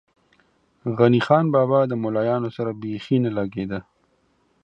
غني خان بابا ده ملایانو سره بېخی نه لږې ده.